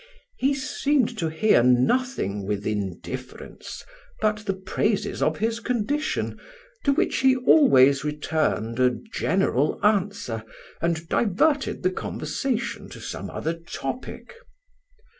He seemed to hear nothing with indifference but the praises of his condition, to which he always returned a general answer, and diverted the conversation to some other topic.